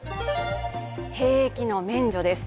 兵役の免除です。